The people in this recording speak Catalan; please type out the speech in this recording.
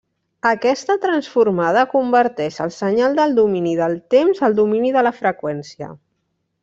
Aquesta transformada converteix el senyal del domini del temps al domini de la freqüència.